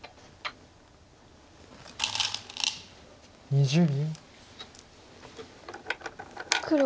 ２０秒。